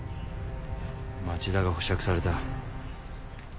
町田が保釈された。